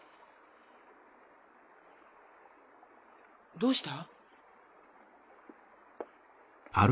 どうした？